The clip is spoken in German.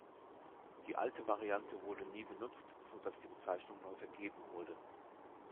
Die alte Variante wurde nie benutzt, sodass die Bezeichnung neu vergeben wurde.